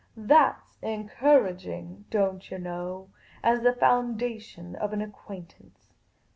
" That 's encourag ing, don't yah know, as the foundation of an acquaintance.